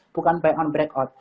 bukan buy on breakout